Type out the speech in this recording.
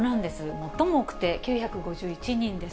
最も多くて９５１人です。